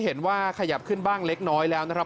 ขยับขึ้นบ้างเล็กน้อยแล้วนะครับ